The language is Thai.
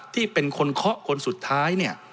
ที่เป็นคนเคาะคนสุดท้าย